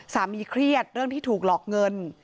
เครียดเรื่องที่ถูกหลอกเงิน